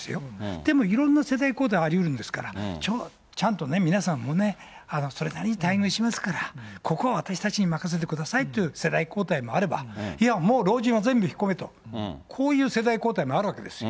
でも、いろんな世代交代ありうるんですから、ちゃんとね、皆さんもね、それなりに待遇しますから、ここは私たちに任せてくださいっていう世代交代もあれば、いや、もう老人は全部引っ込めと、こういう世代交代もあるわけですよ。